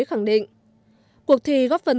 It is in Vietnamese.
khẳng định cuộc thi góp phần